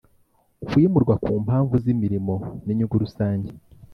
Uwimurwa ku mpamvu zimirimo ninyungu rusange